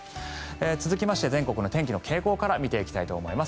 続きまして全国の天気の傾向から見ていきたいと思います。